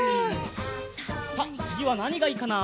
さあつぎはなにがいいかな？